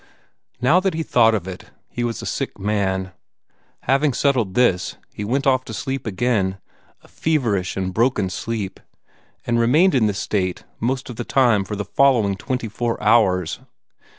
Now that he thought of it, he was a sick man. Having settled this, he went off to sleep again, a feverish and broken sleep, and remained in this state most of the time for the following twenty four hours.